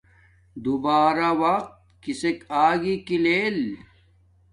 دوبارہ وقت کسک آگی کی لیل